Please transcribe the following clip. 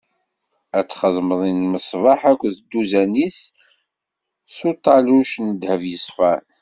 Ad txedmeḍ lmeṣbaḥ akked dduzan-is s uṭaluc n ddheb yeṣfan.